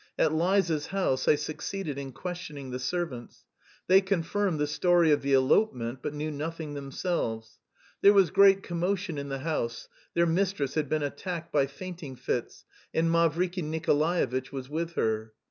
At Liza's house I succeeded in questioning the servants. They confirmed the story of the elopement, but knew nothing themselves. There was great commotion in the house; their mistress had been attacked by fainting fits, and Mavriky Nikolaevitch was with her.